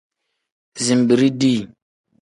Zinbiri dii.